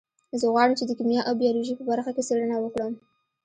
زه غواړم چې د کیمیا او بیولوژي په برخه کې څیړنه وکړم